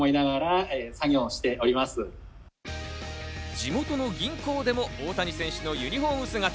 地元の銀行でも大谷選手のユニホーム姿。